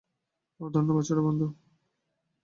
ওহ, ধন্যবাদ, ছোট্টবন্ধু।